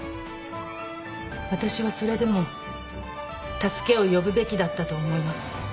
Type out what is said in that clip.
私はそれでも助けを呼ぶべきだったと思います。